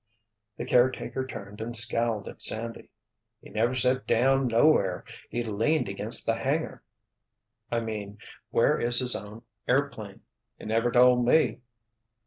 The caretaker turned and scowled at Sandy. "He never set down nowhere. He leaned against the hangar!" "I mean—where is his own airplane?" "He never told me."